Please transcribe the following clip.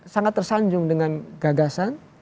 sangat tersanjung dengan gagasan